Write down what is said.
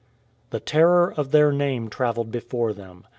The terror of their name travelled before them.